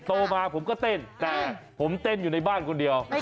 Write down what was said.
โตมาผมก็เต้นแต่ผมเต้นอยู่ในบ้านคนเดียว